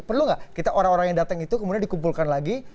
perlu nggak kita orang orang yang datang itu kemudian dikumpulkan lagi